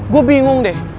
gue bingung deh